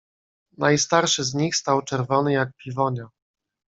"Najstarszy z nich stał czerwony jak piwonia..."